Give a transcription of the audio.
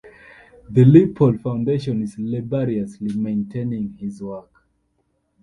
The Lippold Foundation is laboriously maintaining his work.